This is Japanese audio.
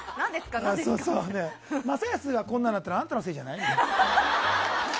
正恭がこんなになったのあんたのせいじゃない？みたいな。